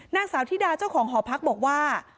นางสาวธิดาเจ้าของหอพักบอกว่า